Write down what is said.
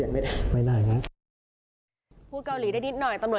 โอ้โหพูดซากวอลีได้มั้ย